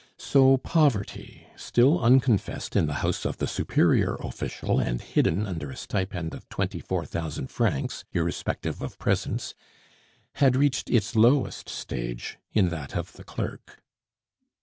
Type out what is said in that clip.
So poverty, still unconfessed in the house of the superior official, and hidden under a stipend of twenty four thousand francs, irrespective of presents, had reached its lowest stage in that of the clerk.